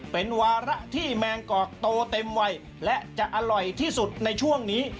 เป็นวาระที่แมงกอกโตเต็มวัยและจะอร่อยที่สุดในช่วงนี้